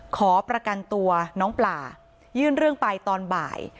ขอประกันตัวน้องปลายื่นเรื่องไปตอนบ่าย